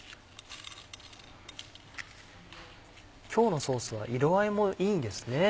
今日のソースは色合いもいいんですね。